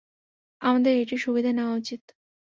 আমাদের এটির সুবিধা নেওয়া উচিত।